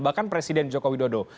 bahkan presiden joko widodo